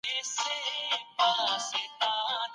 د سعودي پوهنتونونه څه ډول افغان زده کوونکي جذبوي؟